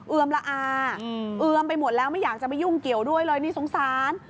เอือมละอาเอือมไปหมดแล้วไม่อยากจะไปยุ่งเกี่ยวด้วยเลยนี่สงสาร